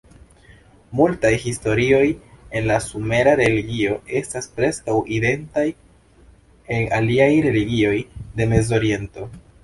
Multaj historioj en la sumera religio estas preskaŭ identaj en aliaj religioj de Mezoriento.